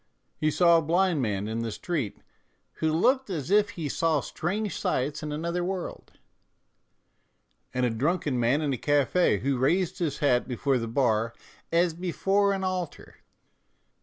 He saw a blind man in the street "who looked as if he saw strange sights in another world," and a drunken man in a cafe" who raised his hat before the bar " as before an altar."